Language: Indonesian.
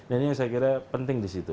ini yang saya kira penting disitu